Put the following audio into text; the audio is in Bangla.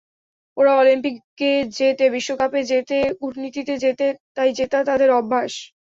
ওরা অলিম্পিকে জেতে, বিশ্বকাপে জেতে, কূটনীতিতে জেতে, তাই জেতা ওদের অভ্যাস।